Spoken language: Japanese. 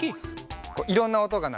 いろんなおとがなる。